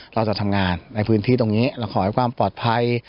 เราจะทำงานในพื้นที่ตรงนี้เราขอให้ความปลอดภัย